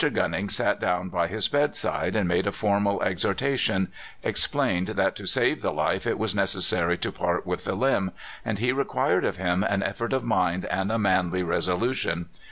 Gunning sat down by his bedside, and made a formal exhortation: explained that to save the life it was necessary to part with the limb, and he required of him an effort of mind and a manly resolution.